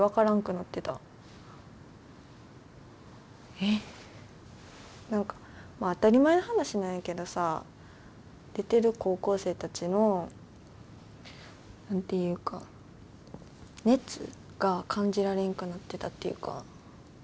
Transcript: え何かまあ当たり前の話なんやけどさ出てる高校生たちの何て言うか熱？が感じられんくなってたっていうか。